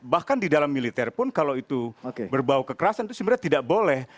bahkan di dalam militer pun kalau itu berbau kekerasan itu sebenarnya tidak boleh